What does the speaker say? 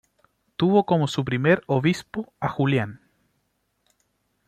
Tuvo como su primer obispo a Julián.